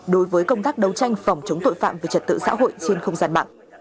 đối với công tác đấu tranh phòng chống tội phạm về trật tự xã hội trên không gian mạng